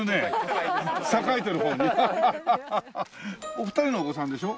お二人のお子さんでしょ？